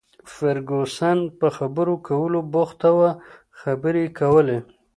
فرګوسن په خبرو کولو بوخته وه، خبرې یې کولې.